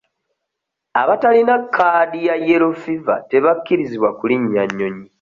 Abatalina kaadi ya yellow fever tebakkirizibwa kulinnya nnyonyi.